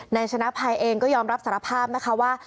นายชนะภัยเองก็ยอมรับสารภาพนะคะว่า